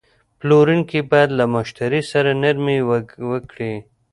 پلورونکی باید له مشتری سره نرمي وکړي.